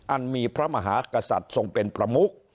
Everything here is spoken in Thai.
อันมีพระมหากษัตริย์ทรงเป็นประมุก